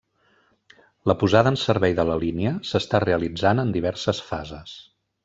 La posada en servei de la línia s'està realitzant en diverses fases.